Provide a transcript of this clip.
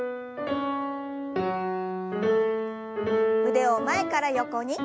腕を前から横に。